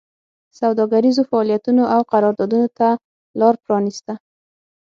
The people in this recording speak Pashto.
سوداګریزو فعالیتونو او قراردادونو ته لار پرانېسته